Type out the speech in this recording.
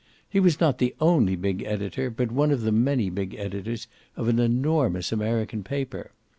He was not the only big editor, but one of the many big editors, of an enormous American paper.